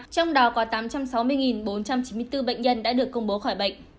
trong đó có tám trăm sáu mươi bốn trăm chín mươi bốn bệnh nhân đã được công bố khỏi bệnh